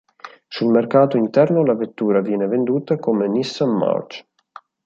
Sul mercato interno la vettura viene venduta come Nissan March.